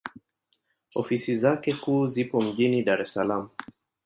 Ofisi zake kuu zipo mjini Dar es Salaam.